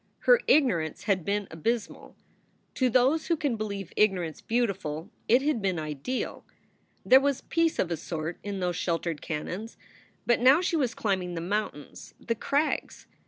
Her ignorance had been abysmal. To those who can believe ignorance beautiful, it had been ideal. There was peace of a sort in those shel tered canons, but now she was climbing the mountains, the crags.